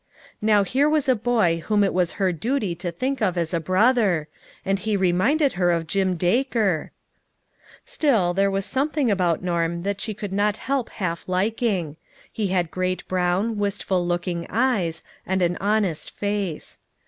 Now here was a boy whom it was her duty to think of as a brother ; and he re minded her of Jim Daker ! Still there was something about Norm that she could not help half liking. He had great brown, wistful looking eyes, and an honest face.